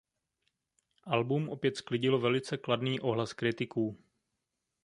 Album opět sklidilo velice kladný ohlas kritiků.